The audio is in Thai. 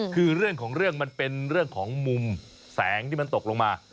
คือเรื่องของเรื่องมันเป็นเรื่องของมุมแสงที่มันตกลงมา